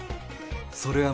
そう。